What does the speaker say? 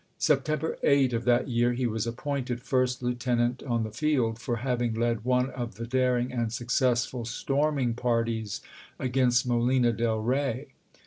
September 8 of that year he was appointed first lieutenant on the field, for having led one of the daring and successful storming par ties against Molino del Eay.